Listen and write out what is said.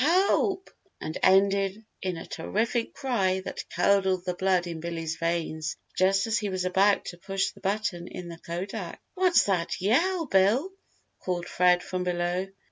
Help!" and ended in a terrific cry that curdled the blood in Billy's veins just as he was about to push the button in the kodak. "What's that yell, Bill?" called Fred from below.